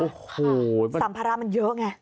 โอ้โหสัมภาระมันเยอะไง